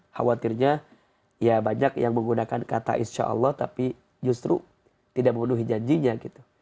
khawatirnya ya banyak yang menggunakan kata insya allah tapi justru tidak memenuhi janjinya gitu